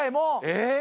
えっ？